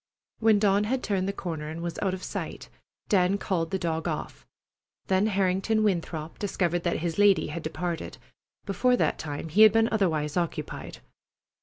When Dawn had turned the corner and was out of sight, Dan called the dog off. Then Harrington Winthrop discovered that his lady had departed. Before that time he had been otherwise occupied.